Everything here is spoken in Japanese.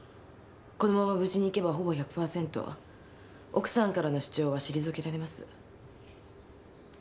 このまま無事にいけばほぼ１００パーセント奥さんからの主張は退けられます。